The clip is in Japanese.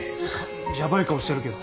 やばい顔してるけど。